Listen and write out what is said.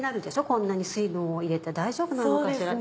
こんなに水分を入れて大丈夫なのかしら？